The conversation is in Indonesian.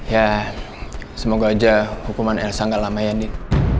ya semoga aja hukuman elsa gak lama ya din